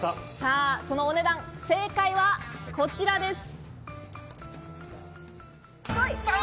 そのお値段、正解はこちらです。